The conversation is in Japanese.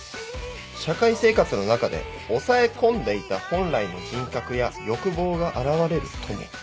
「社会生活の中で押さえ込んでいた本来の人格や欲望が現れるとも」